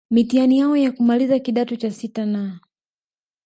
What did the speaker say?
mitihani yao ya kumaliza kidato cha sita na